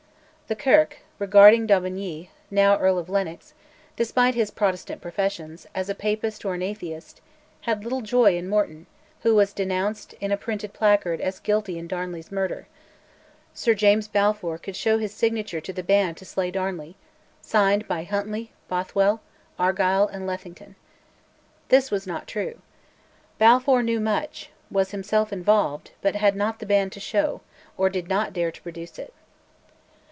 The Kirk, regarding d'Aubigny, now Earl of Lennox, despite his Protestant professions, as a Papist or an atheist, had little joy in Morton, who was denounced in a printed placard as guilty in Darnley's murder: Sir James Balfour could show his signature to the band to slay Darnley, signed by Huntly, Bothwell, Argyll, and Lethington. This was not true. Balfour knew much, was himself involved, but had not the band to show, or did not dare to produce it.